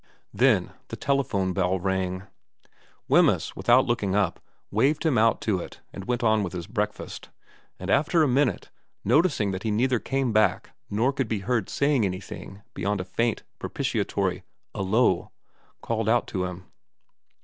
Then the telephone bell rang. Wemyss, without looking up, waved him out to it and went on with his breakfast ; and after a minute, noticing that he neither came back nor could be heard saying anything beyond a faint, propitiatory ' 'Ullo/ called out to him.